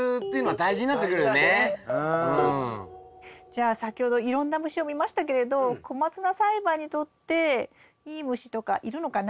じゃあ先ほどいろんな虫を見ましたけれどコマツナ栽培にとっていい虫とかいるのかなあ？